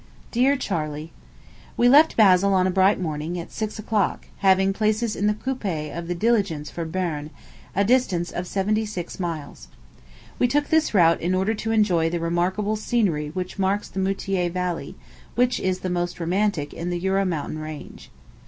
DEAR CHARLEY: We left Basle on a bright morning, at six o'clock, having places in the coupé of the diligence for Berne, a distance of seventy six miles. We took this route in order to enjoy the remarkable scenery which marks the Moutiers Valley, which is the most romantic in the Jura Mountain range.